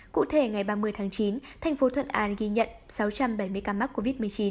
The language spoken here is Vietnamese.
cụ thể ngày ba mươi tháng chín thành phố thuận an ghi nhận sáu trăm bảy mươi ca mắc covid một mươi chín